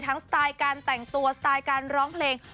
สไตล์การแต่งตัวสไตล์การร้องเพลง